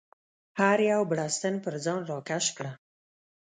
هر یو بړستن پر ځان راکش کړه.